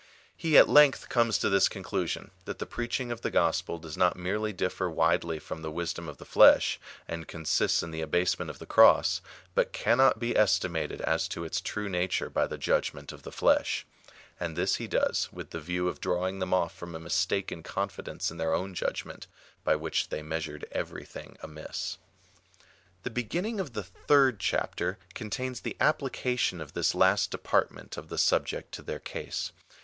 He at length comes to this conclusion, that the preaching of the gospel does not merely difier widely from the wisdom of the flesh, and consists in the abasement of the Cross, but cannot be estimated as to its true nature by the judgment of the flesh ; and this he does, with the view of drawing them off from a mistaken confidence in their own judgment, by which they measured every thing amiss. The beginning of the third chapter contains the applica tion of this last department of the subject to their case.